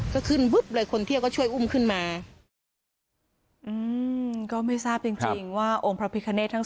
ก็ขึ้นปุ๊บเลยคนเที่ยวก็ช่วยอุ้มขึ้นมาอืมก็ไม่ทราบจริงจริงว่าองค์พระพิคเนตทั้ง